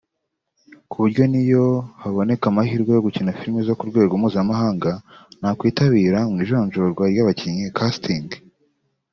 kuburyo n’iyo haboneka amahirwe yo gukina filime zo ku rwego mpuzamahanga nakwitabira mu ijonjorwa ry’abakinnyi(Casting)